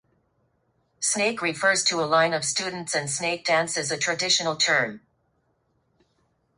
"Snake" refers to a line of students and "snake dance" is a traditional term.